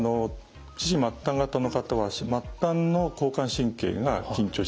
四肢末端型の方は末端の交感神経が緊張してるんですね。